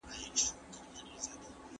پر ټول ښار باندي